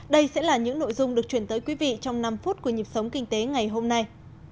đây sẽ là những nội dung được truyền tới quý vị trong năm phút của nhịp sống kinh tế ngày hôm nay